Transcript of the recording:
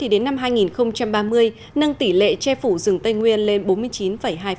đến năm hai nghìn ba mươi nâng tỷ lệ che phủ rừng tây nguyên lên bốn mươi chín hai